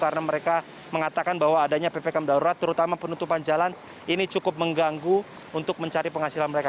karena mereka mengatakan bahwa adanya ppkm darurat terutama penutupan jalan ini cukup mengganggu untuk mencari penghasilan mereka